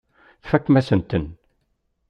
Tfakem-asen-ten.